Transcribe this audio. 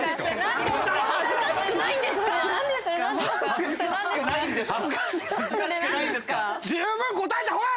「恥ずかしくないんですか？」。